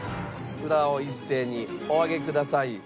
札を一斉にお上げください。